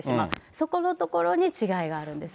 そこのところに違いがあるんですね。